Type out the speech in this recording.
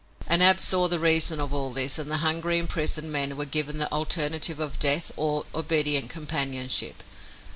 And Ab saw the reason of all this and the hungry, imprisoned men were given the alternative of death or obedient companionship.